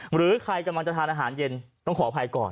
หรือใครกำลังจะทานอาหารเย็นต้องขออภัยก่อน